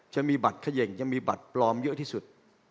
จะมีบัตรเขย่งจะมีบัตรปลอมเยอะที่สุด